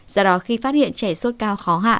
do đó khi phát hiện trẻ sốt cao khó hạ